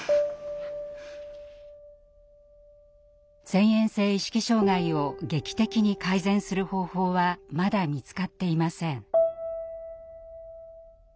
遷延性意識障害を劇的に改善する方法はまだ見つかっていません。